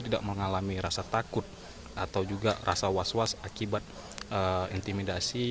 tidak mengalami rasa takut atau juga rasa was was akibat intimidasi